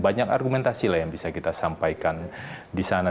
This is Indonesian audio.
banyak argumentasi lah yang bisa kita sampaikan disana